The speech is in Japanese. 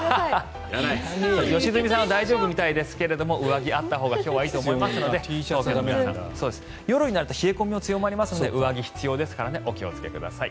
良純さんは大丈夫みたいですけれど上着があったほうがいいと思いますので夜になると冷え込みも強まりますので上着が必要ですのでお気をつけください。